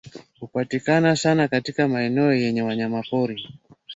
Hupatikana sana katika maeneo yenye wanyamapori